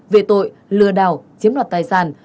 về tội lừa đảo chiếm đoạt tài sản